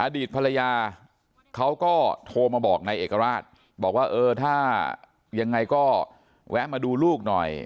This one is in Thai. อดีตภรรยาเขาก็โทรมาบอกนายเอกราชบอกว่าเออถ้ายังไงก็แวะมาดูลูกหน่อย